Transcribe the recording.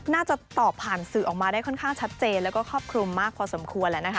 น่าจะตอบผ่านสื่อออกมาได้ค่อนข้างชัดเจนแล้วก็ครอบคลุมมากพอสมควรแล้วนะคะ